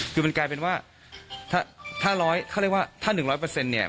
คือมันกลายเป็นว่าถ้า๑๐๐เปอร์เซ็นต์เนี่ย